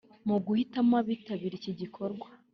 Mu guhitamo abitabira iki gikorwa